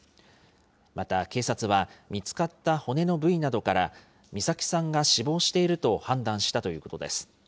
また警察は、見つかった骨の部位などから、美咲さんが死亡していると判断したということです。